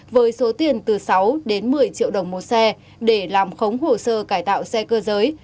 với số tiền từ sáu đến một mươi triệu đồng một xe để làm khống hồ sơ cải tạo xe cơ giới